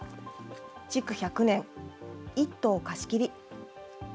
築１００年、一棟貸し切り。